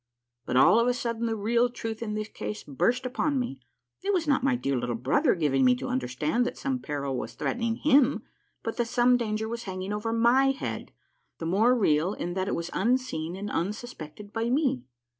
But all of a sudden the real truth in this case burst upon me : it was not my dear little brother giving me to understand that some peril was threatening him, but that some danger was hanging over my head, the more real in that it was unseen and unsuspected by me.